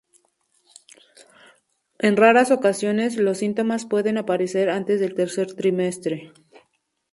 En raras ocasiones, los síntomas pueden aparecer antes del tercer trimestre.